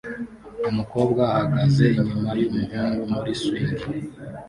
Umukobwa ahagaze inyuma yumuhungu muri swing